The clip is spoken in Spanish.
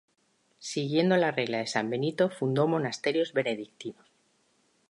Siguiendo la regla de San Benito, fundó monasterios benedictinos.